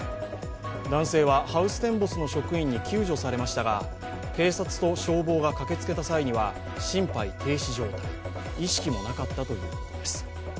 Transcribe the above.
男性はハウステンボスの職員に救助されましたが警察と消防が駆けつけた際には心肺停止状態意識もなかったということなんです。